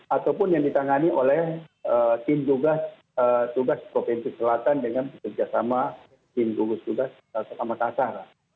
ataupun yang ditangani oleh tim tugas covid sembilan belas selatan dengan bekerjasama tim gugus tugas ketama tasar